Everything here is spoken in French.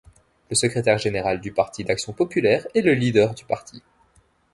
Le secrétaire général du parti d'action populaire est le leader du parti.